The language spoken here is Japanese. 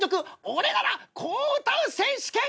俺ならこう歌う選手権！！